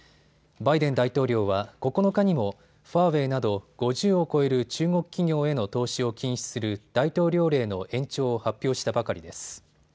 バイデン大統領は９日にもファーウェイなど５０を超える中国企業への投資を禁止する大統領令の延長を発表したばかりです。